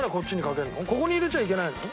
ここに入れちゃいけないの？